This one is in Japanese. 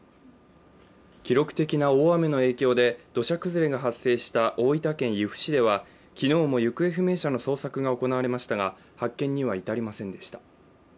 記録的な大雨の影響で土砂崩れが発生した大分県由布市では昨日も行方不明者の捜索が行われましたが発見には至りませんでした。